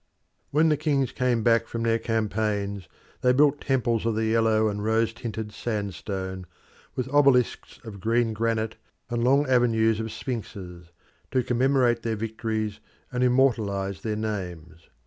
When the kings came back from their campaigns, they built temples of the yellow and rose tinted sandstone, with obelisks of green granite and long avenues of sphinxes, to commemorate their victories and immortalise their names.